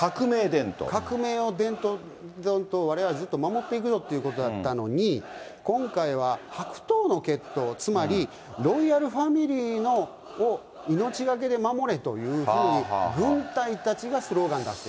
革命を、伝統でわれわれはずっと守っていくよということだったのに、今回は白頭の血統、つまり、ロイヤルファミリーを命懸けで守れというふうに、軍隊たちがスローガンになった。